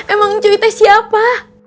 emang ncuy teh siapa